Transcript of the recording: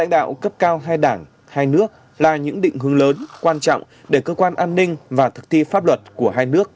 đạo cấp cao hai đảng hai nước là những định hướng lớn quan trọng để cơ quan an ninh và thực thi pháp luật của hai nước